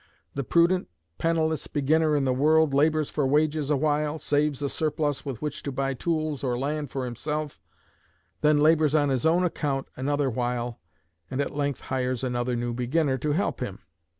The prudent, penniless beginner in the world labors for wages awhile, saves a surplus with which to buy tools or land for himself; then labors on his own account another while, and at length hires another new beginner to help him.